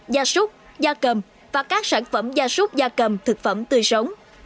da súc da cầm và các sản phẩm da súc da cầm thực phẩm tươi sống